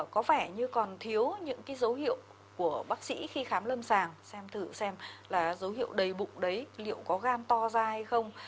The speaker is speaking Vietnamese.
có vẻ như còn thiếu những cái dấu hiệu của bác sĩ khi khám lâm sàng xem thử xem là dấu hiệu đầy bụng đấy liệu có gam to da hay không